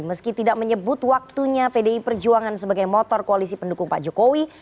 meski tidak menyebut waktunya pdi perjuangan sebagai motor koalisi pendukung pak jokowi